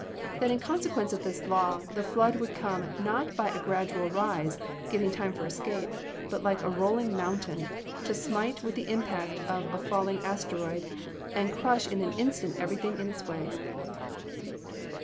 That in consequence of this law, the flood would come not by a gradual rise, giving time for escape, but like a rolling mountain, to smite with the impact of a falling asteroid, and crush in an instant everything in its way?